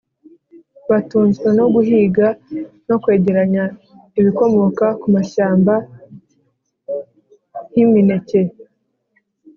Batunzwe no guhiga no kwegeranya ibikomoka ku mashyamba nk’imineke,